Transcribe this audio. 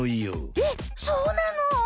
えっそうなの！？